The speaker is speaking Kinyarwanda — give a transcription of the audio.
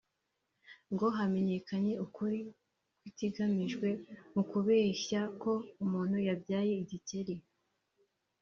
ngo hamenyekane ukuri kw’ikigamijwe mu kubeshya ko umuntu yabyaye igikeri